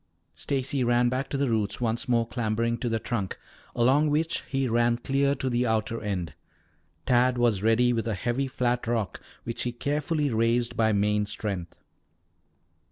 Stacy ran back to the roots, once more clambering to the trunk, along which he ran clear to the outer end. Tad was ready with a heavy, flat rock which he carefully raised by main strength.